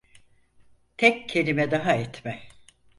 Tek kelime daha etme.